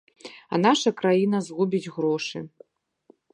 А наша краіна згубіць грошы.